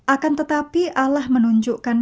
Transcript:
akan tetapi allah menunjukkan